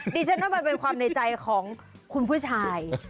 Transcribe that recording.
ดิฉันว่ามันเป็นความในใจของคุณผู้ชาย